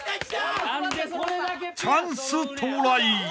［チャンス到来！］